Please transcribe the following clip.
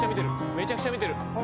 めちゃくちゃ見てる。